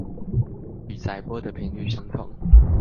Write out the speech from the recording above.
與載波的頻率相同